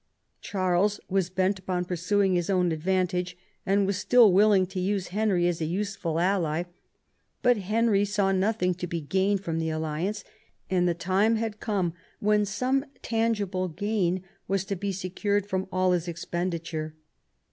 Charles was bent upon pursuing his own advantage, and was still willing to use Henry as a useful ally; but Henry saw nothing to be gained from the alliance, and the time had come when some tangible gain was to be secured from all his expenditure.